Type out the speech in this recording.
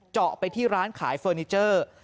เจาะไปที่ร้านขายเฟอร์นิเจอร์